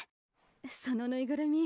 そのぬいぐるみ